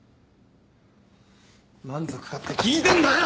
満足かって聞いてんだよ！